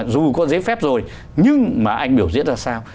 dù có giấy phép rồi nhưng mà anh biểu diễn ra sao